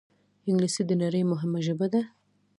انګلیسي د نړۍ مهمه ژبه ده